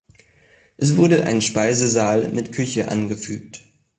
Es wurde ein Speisesaal mit Küche angefügt.